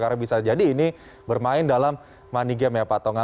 karena bisa jadi ini bermain dalam money game ya pak tonga